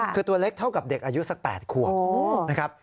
คือตัวเล็กเท่ากับเด็กอายุสัก๘ขวบนะครับ